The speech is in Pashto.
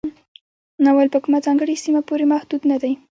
ناول په کومه ځانګړې سیمه پورې محدود نه دی.